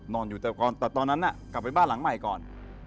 อยู่แต่ตอนนั้นกลับไปบ้านหลังใหม่ก่อน